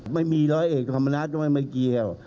ไม่มีร้อยเอกธรรมนัฐก็ไม่เกี่ยว